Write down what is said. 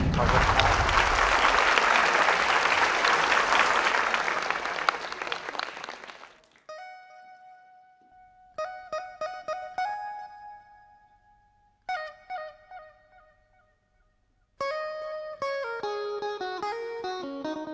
ขอบคุณครับ